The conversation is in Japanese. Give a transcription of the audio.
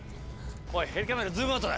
おいヘリカメラズームアウトだ。